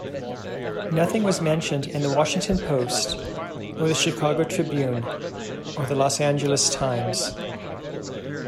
Nothing was mentioned in the Washington Post...or the Chicago Tribune...or the Los Angeles Times.